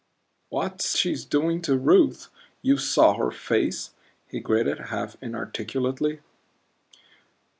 "What's she doing to Ruth you saw her face," he gritted, half inarticulately.